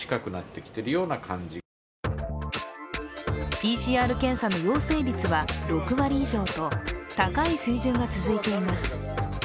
ＰＣＲ検査の陽性率は６割以上と高い水準が続いています。